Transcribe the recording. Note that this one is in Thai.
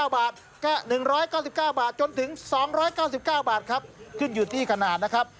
๑๙๙บาทจนถึง๒๙๙บาทครับขึ้นอยู่ที่ขนาดนะครับ